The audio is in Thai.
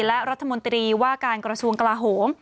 และรัฐมนตรีว่าการกระทรวงกลาโหม